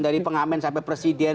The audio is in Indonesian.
dari pengamen sampai presiden